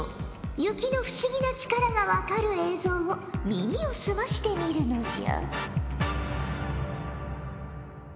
雪の不思議な力が分かる映像を耳をすまして見るのじゃ。